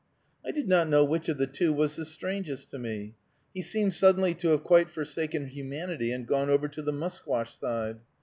I did not know which of the two was the strangest to me. He seemed suddenly to have quite forsaken humanity, and gone over to the musquash side.